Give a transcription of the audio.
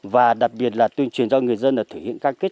và đặc biệt là tuyên truyền cho người dân là thể hiện cam kết